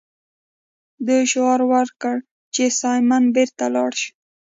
دوی شعار ورکړ چې سایمن بیرته لاړ شه.